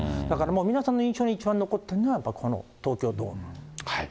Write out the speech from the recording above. だからもう、皆さんの印象に一番残ってるのはやっぱりこの東京ドーム。